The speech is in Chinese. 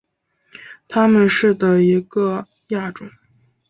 它们是的一个亚种。